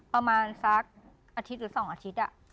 ประมาณสักอาทิตย์หรือ๒อาทิตย์